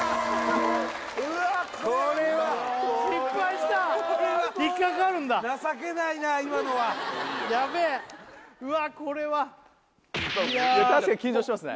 うわっこれは失敗した引っかかるんだ情けないな今のはうわこれは確かに緊張しますね